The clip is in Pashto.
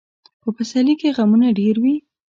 په پسرلي کې غمونه ډېر وي.